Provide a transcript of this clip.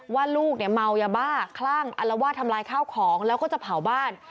ว่าลูกเนี่ยเมายาบ้าคลั่งอัลวาดทำลายข้าวของแล้วก็จะเผาบ้าน